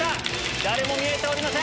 誰も見えておりません。